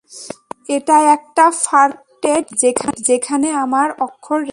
এটা একটা ফার্কটেট বোর্ড, যেখানে আমার অক্ষর রেখেছি।